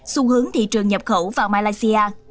xu hướng thị trường nhập khẩu vào malaysia